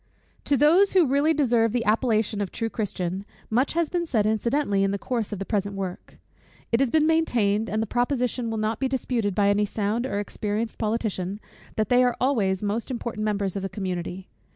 _ To those, who really deserve the appellation of true Christians, much has been said incidentally in the course of the present work. It has been maintained, and the proposition will not be disputed by any sound or experienced politician, that they are always most important members of the community.